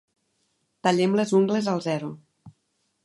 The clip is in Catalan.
Tallem les ungles al zero.